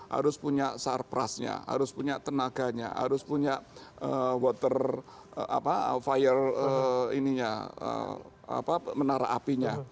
harus punya sarprasnya harus punya tenaganya harus punya water fire menara apinya